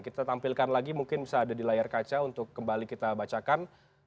kita tampilkan lagi mungkin bisa ada di layar kaca untuk kembali kita bacakan